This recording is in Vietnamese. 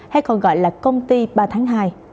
hay còn gọi là công ty ba tháng hai